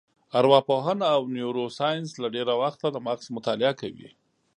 ارواپوهنه او نیورو ساینس له ډېره وخته د مغز مطالعه کوي.